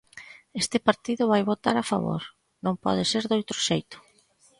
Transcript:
Este partido vai votar a favor, non pode ser doutro xeito.